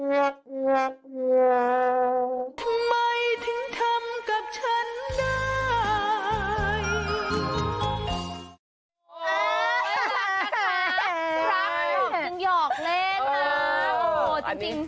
รับก็หยอกจริงหยอกเลขนะ